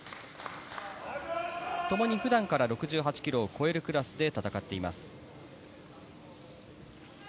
ともに普段から６８ｋｇを超えるクラスで戦っています。